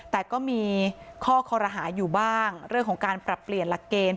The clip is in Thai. แต่ก็มีข้อคอรหาอยู่บ้างเรื่องของการปรับเปลี่ยนหลักเกณฑ์